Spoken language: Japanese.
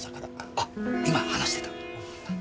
あっ今話してた！